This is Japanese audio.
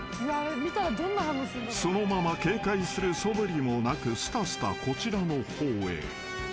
［そのまま警戒するそぶりもなくすたすたこちらの方へ］